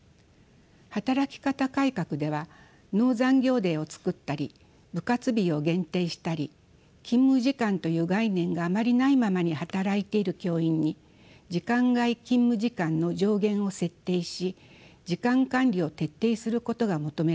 働き方改革ではノー残業デーを作ったり部活日を限定したり勤務時間という概念があまりないままに働いている教員に時間外勤務時間の上限を設定し時間管理を徹底することが求められました。